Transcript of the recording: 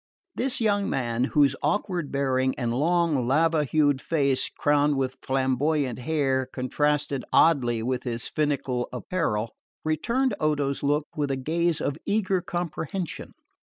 This young man, whose awkward bearing and long lava hued face crowned with flamboyant hair contrasted oddly with his finical apparel, returned Odo's look with a gaze of eager comprehension.